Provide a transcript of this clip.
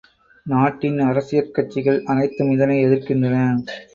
நாட்டின் அரசியற் கட்சிகள் அனைத்தும் இதனை எதிர்க்கின்றன.